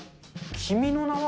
君の名は。